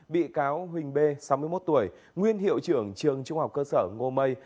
bị cáo huỳnh b sáu mươi một tuổi nguyên hiệu trưởng trường trung học cơ sở ngô mây